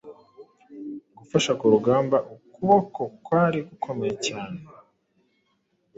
Gufasha ku rugamba ukuboko kwari gukomeye cyane